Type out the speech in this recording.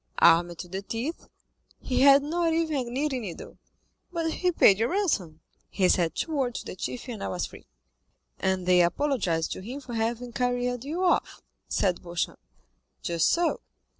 "Armed to the teeth?" "He had not even a knitting needle." "But he paid your ransom?" "He said two words to the chief and I was free." "And they apologized to him for having carried you off?" said Beauchamp. "Just so."